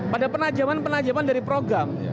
pada penajaman penajaman dari program